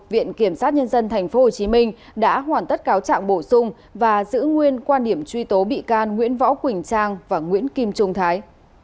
viện kiểm sát nhân dân tp hcm đã hoàn tất cáo trạng bổ sung và giữ nguyên quan điểm truy tố bị can nguyễn võ quỳnh trang và nguyễn kim trung thái